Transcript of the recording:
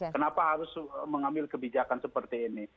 kenapa harus mengambil kebijakan seperti ini